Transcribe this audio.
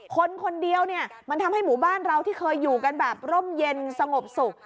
คนคนเดียวเนี่ยมันทำให้หมู่บ้านเราที่เคยอยู่กันแบบร่มเย็นสงบสุข